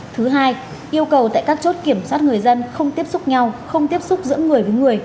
thứ hai yêu cầu tại các chốt kiểm soát người dân không tiếp xúc nhau không tiếp xúc giữa người với người